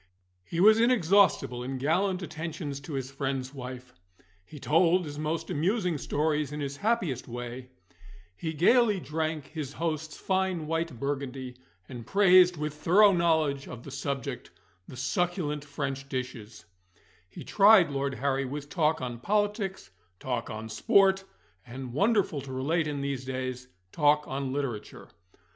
He was inexhaustible in gallant attentions to his friend's wife; he told his most amusing stories in his happiest way; he gaily drank his host's fine white Burgundy, and praised with thorough knowledge of the subject the succulent French dishes; he tried Lord Harry with talk on politics, talk on sport, and (wonderful to relate in these days) talk on literature.